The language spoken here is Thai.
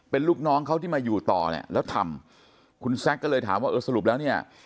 เป็นลูกน้องเขาที่มาอยู่ต่อเนี่ยแล้วทำคุณแซคก็เลยถามว่าเออสรุปแล้วเนี่ย